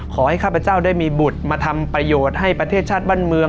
ข้าพเจ้าได้มีบุตรมาทำประโยชน์ให้ประเทศชาติบ้านเมือง